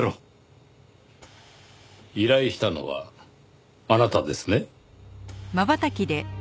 依頼したのはあなたですね？